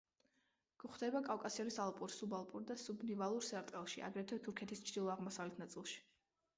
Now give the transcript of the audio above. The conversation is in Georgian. გვხვდება კავკასიონის ალპურ, სუბალპურ და სუბნივალურ სარტყელში, აგრეთვე თურქეთის ჩრდილო-აღმოსავლეთ ნაწილში.